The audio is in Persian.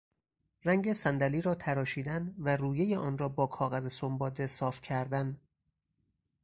رنگ صندلی را تراشیدن و رویهی آن را با کاغذ سنباده صاف کردن